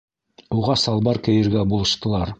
Уға салбар кейергә булыштылар.